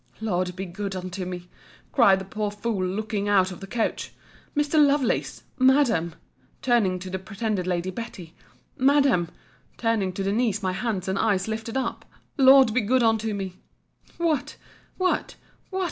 Lord be good unto me! cried the poor fool, looking out of the coach—Mr. Lovelace!—Madam! turning to the pretended Lady Betty!—Madam! turning to the niece, my hands and eyes lifted up—Lord be good unto me! What! What! What!